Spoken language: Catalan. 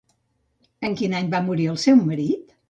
En quin any va morir el seu marit?